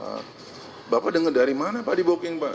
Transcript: oh bapak dengar dari mana pak diboking pak